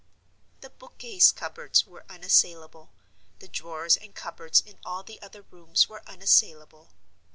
The bookcase cupboards were unassailable, the drawers and cupboards in all the other rooms were unassailable.